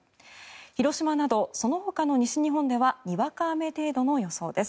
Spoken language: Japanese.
広島など、そのほかの西日本ではにわか雨程度の予想です。